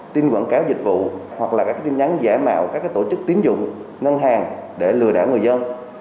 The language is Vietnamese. tin quảng cáo dịch vụ hoặc là các tin nhắn giả mạo các tổ chức tiến dụng ngân hàng để lừa đảo người dân